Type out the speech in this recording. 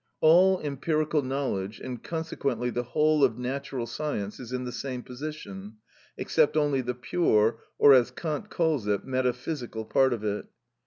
All empirical knowledge, and consequently the whole of natural science, is in the same position, except only the pure, or as Kant calls it, metaphysical part of it.